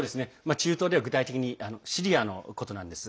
中東では具体的にシリアのことです。